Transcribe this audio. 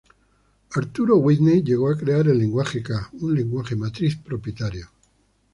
Arturo Whitney llegó a crear el lenguaje K, un lenguaje matriz propietario.